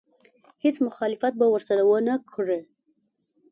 هېڅ مخالفت به ورسره ونه کړي.